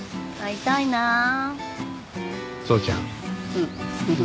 うん。